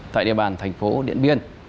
tại địa bàn thành phố điện biên